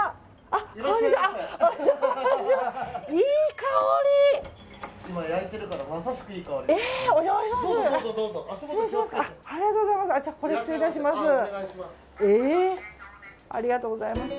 ありがとうございます。